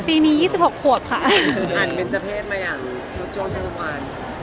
ปีนี้ยี่สิบหกขวบค่ะอ่านเบรนจริงเจ้าเชิงสมวัติ